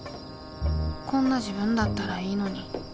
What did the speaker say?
こんな自分だったらいいのに。